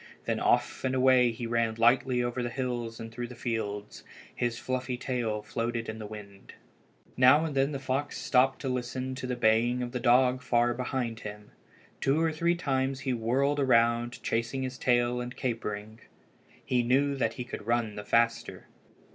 Then off and away he ran lightly over the hills and through the fields. His fluffy tail floated in the wind. Now and then the fox stopped to listen to the baying of the dog far behind him. Two or three times he whirled around, chasing his tail and capering. He knew that he could run the faster.